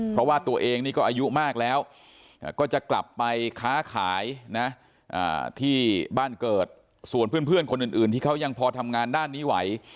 เพราะว่าตัวเองนี่ก็อายุมากแล้วก็จะกลับไปค้าขายนะที่บ้านเกิดส่วนเพื่อนคนอื่นที่เขายังพอทำงานด้านนี้ไหว